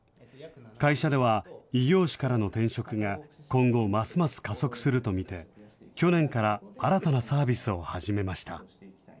会社では、異業種からの転職が今後、ますます加速すると見て、去年から新たなサービスを始めました。